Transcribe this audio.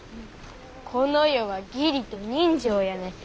この世は義理と人情やねん。